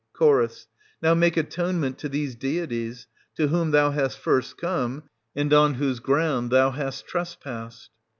Ch. Now make atonement to these deities, to whom thou hast first come, and on whose ground thou hast trespassed.